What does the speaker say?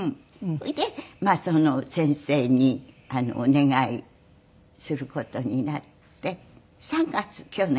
それでその先生にお願いする事になって３月去年。